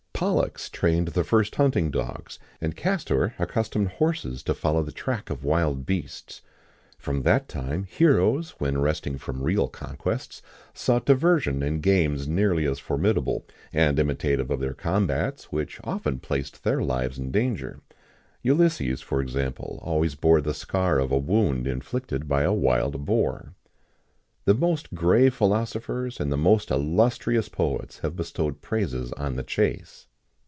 [XIX 6] Pollux trained the first hunting dogs, and Castor accustomed horses to follow the track of wild beasts.[XIX 7] From that time, heroes, when resting from real conquests, sought diversion in games nearly as formidable, and imitative of their combats, which often placed their lives in danger. Ulysses, for example, always bore the scar of a wound inflicted by a wild boar.[XIX 8] The most grave philosophers, and the most illustrious poets have bestowed praises on the chase.